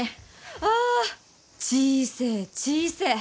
ア小せえ小せえ。